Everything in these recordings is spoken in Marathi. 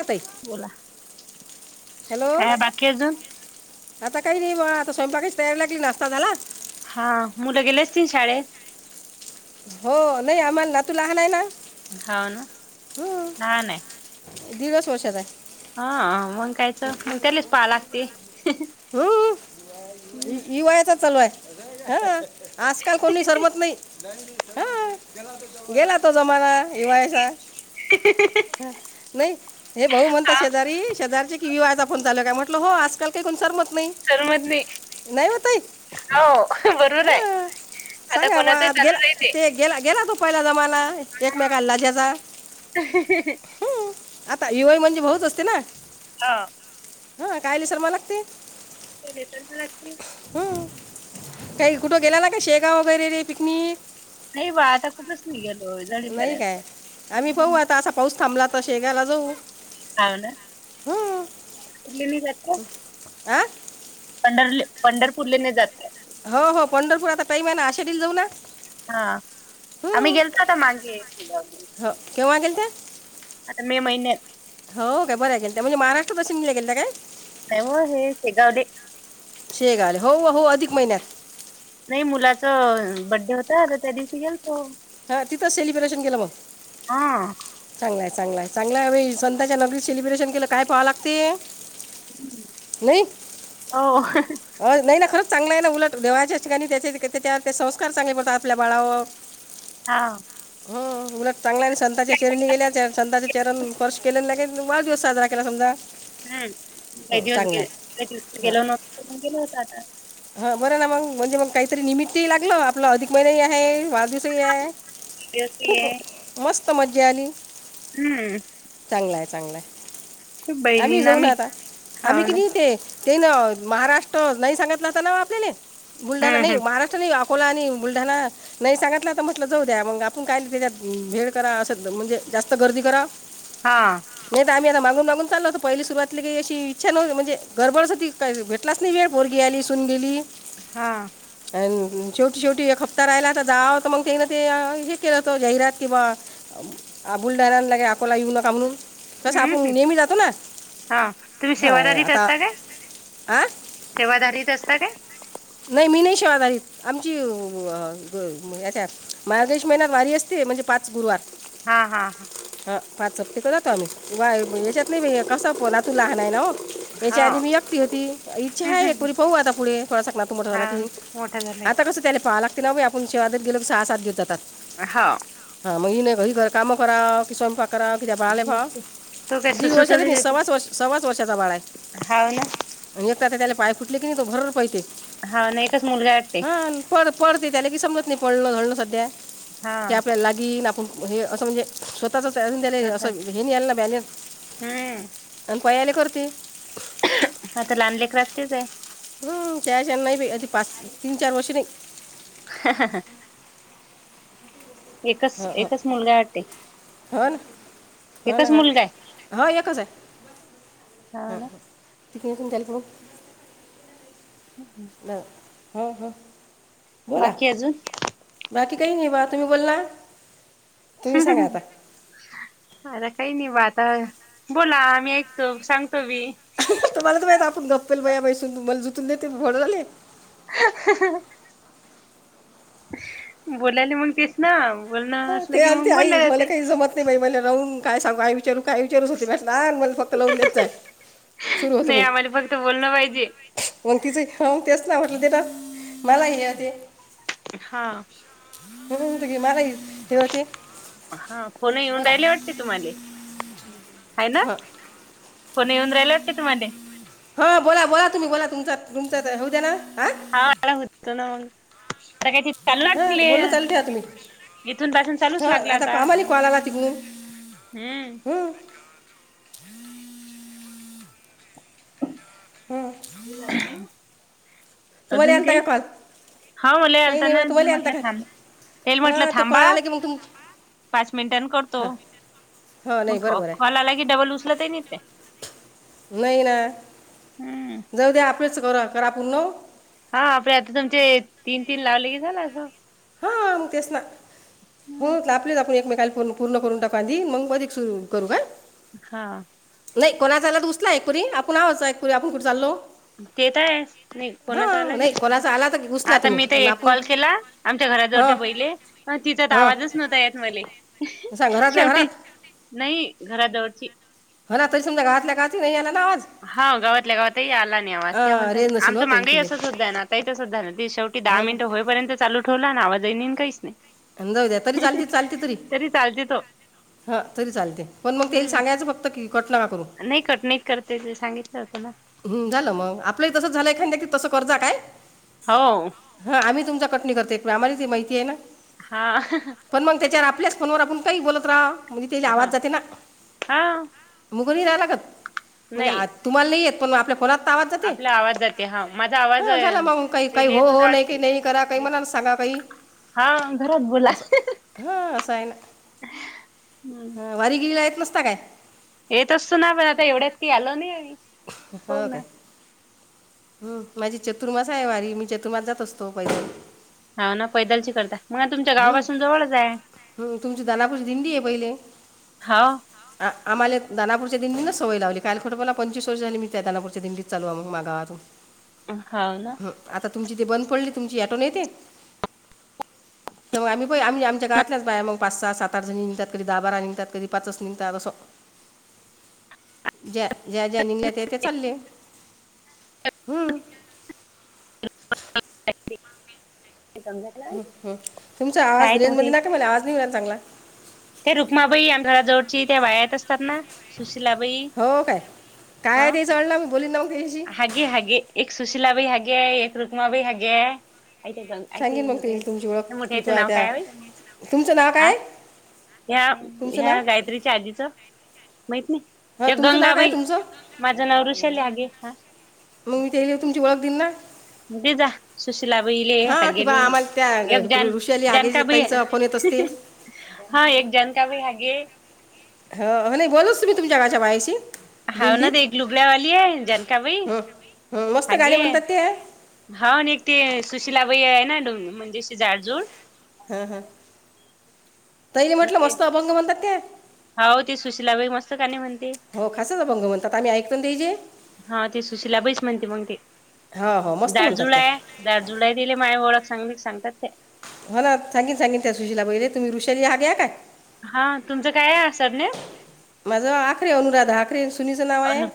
बोला ना ताई बोला [inaudible] हॅलो काय बाकी अजून आता काही नाही ब्यो आता स्वयंपाकाची तयार लागली नाश्ता झाला हा मुलं गेले असतील शाळेत? हो नाही आम्हाला नातू लहान आहे ना हा ना हम्म.. हा नाही दिडस वर्ष झाली हा मग कायचं [inaudible] मग त्यालेच पाहा लागते [inaudible] हम्म हम्म [inaudible] इवायचा चालू हाय [unintelligible] हं.. आजकाल कोणी सरमत नाही [inaudible] हा [unintelligible] गेला तो जमाना ईवायाचा [inaudible] [inaudible] नाही हे भाऊ म्हणता हा शेजारी शेजारीच्या की विवायचा फोन चालूच काय? म्हटलं हो आजकाल काही कोण सर मत नाही सरमत नाही [unintelligible] नाही हो ताई हो बरोबर आहे हा.. आता सांगा म [inaudible] कोणाचही आ चालू गेला नाही ते- गेला- गेला तू पहिला जमाना एकमेकाला लाज्याचा [inaudible] म्ह... आता युवाई म्हणजे भाऊच असते ना हा हा कायली शर्मा लागती [inaudible] फ लागतील [unintelligible] हम्म [inaudible] काही कुठं गेलाला काय शेगाव वगैरे रे पिकनिक [inaudible] नाही बा आता कुठच हो गलो [unintelligible] नाही काय आम्ही पाऊ आता असा पाऊस थांबला तर शेगायला जाऊ [inaudible] अा ना [unintelligible] हम्म कुठले नाही जात का [inaudible] आं पंढरले- पंढरपूरले नाही जात काय? हो -हो पंढरपूर आता टाइम आहे ना आशेडीला जाऊ ना हा आम्ही हं. गेलतो आता मागे. [unintelligible] हो केव्हा गेलते? [inaudible] आता मे महिन्यात. हो [inaudible] काय बरय गेलत्या म्हणजे महाराष्ट्र बस नी गेल त्या काय? [inaudible] नाहीवो हे शेगावले. शेगावले हो -हो अधिक महिन्यात. [inaudible] नाही मुलाच बड्डे होता त त्या दिवशी गेलतो. हा तिथं सेलिब्रेशन केलं मग? हा चांगलय -चांगलय -चांगलय बाई संताच्या नगरीत सेलिब्रेशन केलं काय [inaudible] पोहा लागते. नाही हो. [inaudible] हो नाही ना खरंच चांगलं आहे ना उलट देवाच्या ठिकाणी त्याचे [unintelligible] त्या संस्कार चांगले पडतात आपल्या बाळावर हा हं... उलट चांगला संतताच्या चरणी गल्या सताचे चरण स्पर्श केल्या का वाढदिवस साजरा केला समजा. हम्म काही दिवस चांगला आहे गेलो [unintelligible] नव्हतो पण गेलो होतो आता. हा बरं ना मग म्हणजे मग काहीतरी निमित्त लागलं आपला अधिक महिना आहे वाढदव तस आहे खूप मस्त मजा आली हम्म चांगलाय चांगलाय आम्ही बहिणींना जाऊ मी ना आता आम्ही हाव ना कितीेते ते ना महाराष्ट्र नाही सांगितला अस ना आपल्याने बुलढाणा हम्म नाही हम्म महाराष्ट्र अकोला आणि बुलढणा नाही सांगितलं तर म्हटलं जाऊ द्या मग आपण काय त्याच्यात भेड करा असं म्हणजे जास्त गर्दी करा हा नाही त आम्ही आता मागून मागून चाल होत पहिली सुरवात लगे काही अशी इच्छा न म्हणे गडबडच होती तकाही भेलाच नाही वेळ पोरगी आली तून गेली. हा. अन शेवटी शेवटी एक हप्ता राहिला त जाव मग त्यान ते हे केलं होत जाहिरात कि बा बुलडाणा आणि लगे अकोला येऊ नका म्हणून तसं हम्म हम्म आपण नेहमी जातो ना हा तुम्ही हा सेवाधारीत आता. आ? सेवादाली असता ते. नाही मी नाही शेवादारीन आमची [unintelligible] त्या मार्गशीश महिन्यात वारी असते म्हणजे पाच गुरुवार. हा हा हा. हा पाच जातो तिकडे जातो आम्ही हा याच्यात नाही कस तू लहन आहे ना हो. हा याचा आधी मी एकटी होती इच्छा हम्म आहे हम्म कोणी पाहू आता पुढे थोडासा तू मोठा हा झाला की मोठा झाला आता की कसं त्याला पाहा लागते ना बाई आपण सेवा देत गेलो की मग सहा साथ दिवस जातात. हाव हा मग नाही घरी घर कामं करा की स्वयंपाक करा कि त्या बाळा ले पहाव. तो काय दीड सुसू वर्षाचे थोडीच नी येतो सव्वाच वर्ष सव्वाच वर्षाचा बाळा आहे. हाव ना आणि एक तर ते त्याला पाय फुटले की नाही तो भर पळते हवं न एकच मुलगा. पडते पडते त्याला काही समजत नाही पडणं धडणं सध्या हा की आपल्याला ला घे ना आप हे असं म्हणजे स्वतःच अजून तेला स्वतः असं हे नाही आलं न बॅलेन्स. हम्म आणि पळायला करते. आता लहान लेकराचं तेच ए. हम्म त्याची नाही बाई अती पाच तीन चार वर्ष नाही. [inaudible] एकच हो हो एकच मुलगा वाटते? हो एकच मुलगा आहे. हवं एकच आहे हो ह ना ह तिक [unintelligible] [inaudible] ना हो हो बोला बाकी अजून बाकी काही नाही बा तुम्ही बोलला तुम्ही सांगा आता अर काय नाही बाात ह बोला आम्ही ऐकतो सांगतो मी मला माहि आपण गप्पेल मया बैसून मला जुून देते भोड झाले ह बोलायला मग तेस ना बोलणं हं, असलं ते की आले मग आई बोलले मला जाते काही जमत ते बाई मला राून काय सांगू काय विचारू काय विचारूच होते भॅटला फक्त लावून देतचय सुरू होतु नाही म् आम्हाला फक्त बोलणं पाहिजे. मग तिचेग तेच ना वाटलं तेरा मला हे ते हा ह त मला हे होते हा फोन येऊन बोला राहिले वाटते तुम्हाला ह ना हां कोणी येऊन राहिला वाटते तुमने हा बोला बोला तुम्ही बोला तुमच्या तुमच्यात होऊ दे्या ना हा हा होत ना मग आता हां बोलणं काय चालू ठेवा तुम्ही [unintelligible] इथून पासून चालूच हां लागला आता आम्हाला कॉल आला तिकडून हम्म. हं, हम्म [inaudible] तुम्हाला अजून आलता काय काही कॉल? हा मुला काही नाही आलताना बा तेल तुम्हाला आणता म्हटलं का थांब तेल म्हटलं हां तो थांबा कॉल आला की मग तुम पाच मिनिटां करतो हां हां नाही मग बरोबर कॉल आहे आला की डबल उचलत आहे नाही ते नाही ना हम्म जऊ द्या आपेच क करा आपूर् न हा आपडे आता तुमचे तीन तीन लावले के झालं अस हाग तेच ना हो तपलेच आपण एकमेकाला फोन पूर्ण करून टाकध मग मध्ये सुरू करू का हा नाही कोणा चाला तर द उचला एकपुरी आपण आवोच एकपुरी आपण कुठे चालो तेेत आहे नाही कोणाचा आला नाही घेऊ कोणाचा आला तर उचला आता तुम्ही मी ते पण एक आपण कॉल केला आमच्या घरा हां जवळच्या बहिले तिचात हां आवाजच नव्हता यत मले सांग घरातल्या घरात शेवटी नाही घरा जवळची होणा तरी समजा घातल्या गात नाही याला ना आवाज हा गावातल्या गावातही आला नाही आवाज त्या हा, म्हणत रेंज नशील आमचं होतं ही माग तिले असं सुद्धा आहे ना आता इ सुद्धा आहे ना त शेवट ी दहा हा ना मिनिट होईपर्यंत चालू ठेव ना आवाज येईन काहीच नाही जाऊ द्या तरी चालत चालते तरी तरी चाल हा तरी चालते पण मग ते हम्म. सांगायचं फक्त कि कटना का करू नाही कठीनाईत करते ते सांगितलं होतं ना हम् झालं मग आपल्या तसं झालंय काही नाहीक् तसं कज काय हो हा आम्ही तुमचा कटणी करते आम्हाला ती माहितीय आहे ना हा पण मग त्याच्यावर आपल्याच फोनवर आपण काही बोलत राहा म्हणजे त्याला हा आवाज जाते ना हा मुग रायला लागत म्हणजे नाही आ तुम्हाला नाही येत पण आपल्या कोनात आवाज जे आपला आवाज जाते हा माझा आवाज हा झाला मग काही काही तेला हो येत हो होता नाही काही वाटते. नाही करा काही मला सांगा काही हा घरात बोल असं हा असं आहे ना हम्म. ह वारी गेला य नसता काय येत असतो ना पण आता एवढ्यात की आलो नाही आ हो का हम माझी चतुर्मास आहे वारी मी चतुर्मास जात असतो पैसे हा ना पैदल ची करता मग तुमच्या हम् गावापासून जवळच आहे हम् तुमची दनापुज दिंडी आहे पहिले हाव आम्हालाानापूर दिंडीच सवय लावली काल खोपपाला पंचवीस वर्ष झाली म त्या दनापूच्या दिंडी चालू मगाातून खाऊ ना आता तुमची ते बंद पडले तुमची ॅटोन येते तर मग आम्ही आम्हीमच्या गातच बाया मग पाच सहा सात आठ ज निघतात कध दहा बार निघत की पाच निघतात असं [unintelligible] ज्या ज्या ज्यानंगल्या त्या ते चालले हं, ह तुमचं आज काय ते रेज म ना का मला आज म येला चांगला त्या रुक्माबाई आमच्याड जवळची त्या वाया येत असतात ना सुशिलाबाई हा लामहीोलली नाव घची हे हे एकक सुशीलला बाै हे एक एक रुक्मा बई ह यत य सांगेन मग ते तुमची ओळख मोठ्याच मोठ्या की तू याचं नाव त्या काय आहेल तुमचं नाव काय हा आहे? ह्या तुमचं नाव ह्या गायत्रीच्या आधीच माहित नाही हां या तुमचं नाव काय आहे गंगाबाई तुमचं माझं नाव ऋषाल आगे हा मग मी ते तुमची ळख दिन ना ते जा सुशिला बले ह हां की बा गेले आम्हाला त्या एक जान ऋ- ऋषाली आगे जानका ब ताईचा फोन येत असते हा एक जाणकार भी हगे ह नाही बोलूच तु तुम्ही तुमच्या घच्या बायाशी हाव ना दिंडीत दे एक लुबळ्यावाली आहे जनकाबाई हं, हं, मस्त गाणे हगे म्हणतात ते हां हा एक ते सुशिलाबाई आहे ना म्हणजे झाडजूड हा हा तहीरी म्हटलं मस्त अभंग म्हणतात त्या होा हो ते सुशिलाबाईक मस्त का नाही म्हणते हो खासच अभंग म्हणतात आम्ही ऐकतो ना त्याचे हा ते सुशिला बैस म्हणते मग ते हा हो मस्त म्हणतात जुला त्या द जुलै दिली माझ ओळख सांगली सांगतात ते हा ना सांगीन सांगीन त्या सुशला बैले तुम्ही ऋषाली हा ग घ्या काय हा तुमचं काय आहे असर नाही माझा आखरे अनुराध आखे सुनीचं नाव आहे अनु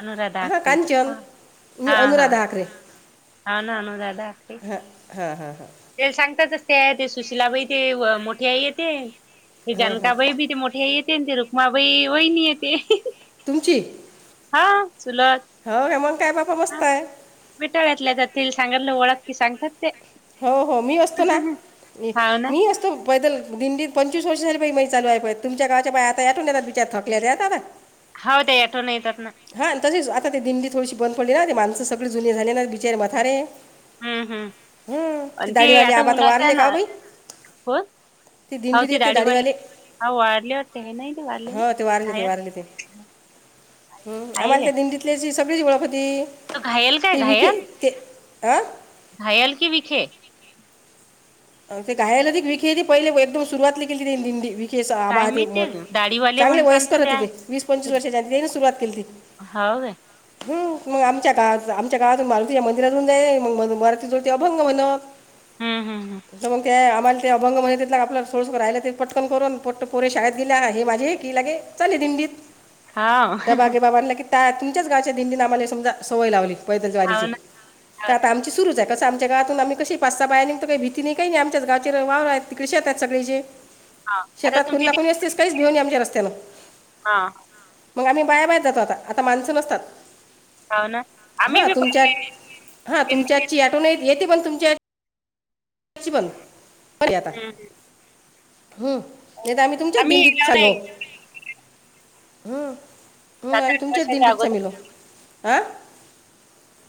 अनुराधा हा आखरे. कांचन हा मी हा हा अनुराधा आाकरे हा ना न ददा आख हा हा हा ते सांगतातच ते ते सुशिलाबाई ते मोठे आहे ते ते हां हां जानकाबाई बी ते मोठे येते आणि ते रुक्माबाई वहिणी येते तुमची हा सुलज हो हेमन काय बापा मस्त आहे मिेटाळ्यातल्या तर ते सांगालं ओळख की सांगतात ते हो हो मी असतो ना हाव ना मी असतो पैदल दिंडी पंचवीस वर्षाली बा मही लू आहे तुम गावाच्या बा आताठून ना विचार थकलेत दादा हो ते याठवून येतात ना हा तशीच आता ते दिंडी थोडीशी बंद पडली ना ते माणसं सगळी जुने झाली ना बिचार मथारे हम्म हम्म हम्म ती आणि ते दाढवाली आता आबाता उन्हाच्या वारले का ना अभई हो ते दिडडीड तेाडीिवाले हा वाढलेवर ते हे नाही ते वाढले ना घायर हम आम्हाला त्या दिंडीितल्याची सगळीच ओळखपती तो घायल काय तेी विखे घायल ते अं घायल की विखे ते घायला त विखे पहिले एकदम सुरुवातली केली ते दिंडी काय आभह ते मी मोठ दाढीवाले चांगले म्हणसान तर वयस्कर ते ति आहे तेे वीस पंचवीस वर्षाच्या त्या सुरुवात केली ती हा दे हम् मग आमच्या काळात आमच्या काळात मारुतीच्या मंदिरातून जाई मग मराती जोड ते अभंग म्हण हम् हम् हम तर मग ते आम्हाला ते अभंग म्हण तथग आपलं सोळस राहिला ते पटकन करून पट कोर शाळेत गेल्या हे माझे हे की लागे चाले दिंडी ह दबागे बाबांला कि त्या तुमच्याच गावच्या दिंडी नामाने समजा सवय लावली पैदल जवारीची हाव ना हाव तर ना आता आमची सुरुच आहे कस आमच्या गावातून आम् क पाच सहा बाहे निघ काही भ ति काही नाही आमच्याच गावचे वावर आहेत तिकडे शेत आहेत सगळे ज हा आता शेतात कोणी तुमच्या ना ते कोणी असतेच काहीच भेऊनेमच्या रस्त्यां हा मग आम्ही बायाबाहेर जातो आता आता माणसं नसतात हाव ना आम्ही हा बी पहिले तुमच्यात हा दिंडी- तुमच्या आची आठवण येते पण तुमची [unintelligible] नही हम्म हम्म हो त ना. आम्ही तुमच्या दिंडीत येलो चाल्लो नाही हूं! हू सात आम्ही आठ तुमच्या वर्षाच्या दिंडीत अगोदर सामिलहो आ!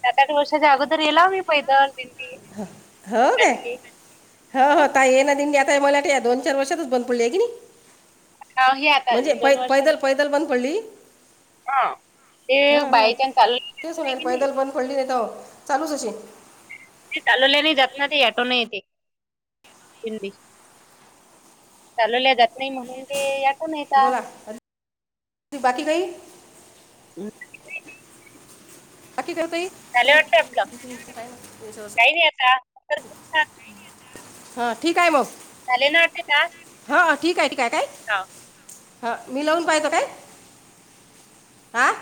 सात आठ वर्षाच्या अगोदर येला मी पैदल दि हं हो काय? ह हो ताये ये ना दिंडी आताय मलाठी या दोन चार वर्षातच बंद पडली आहे की नी. हा हे आता म्हणजे पै दोन वर्षां पैदल पैदल बंद पडली हा ते हं हं बाय चान्स चालू तेच नाही होणार की नाही पैदल बंद पडली नही त चालूच अशी. ती चालवले नही जात ना ती ऑटो ने येते दिंडी चालवल्या जात नाही म्हणून ते ऑटोने येतात बोला बाकी काही? [unintelligible] [unintelligible] झाले वाटत आपलं, काही नही अता. हं ठीक आहे म. झाले ना आजचे तास. ह ठीक आहे ठीकय काय हा! ह मी लावून पाहयतो काय आ.